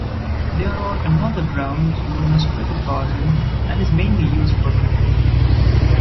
There are another ground known as Cricket Garden and is mainly used for cricket.